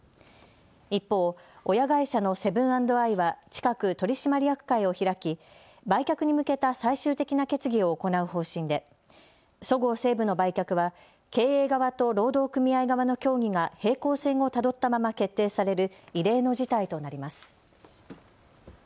一方、親会社のセブン＆アイは近く取締役会を開き売却に向けた最終的な決議を行う方針でそごう・西武の売却は経営側と労働組合側の協議が平行線をたどったまま決定される異例の事態となります。